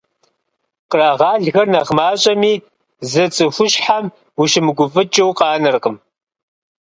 Кърагъэлхэр нэхъ мащӀэми, зы цӀыхущхьэм ущымыгуфӀыкӀыу къанэркъым.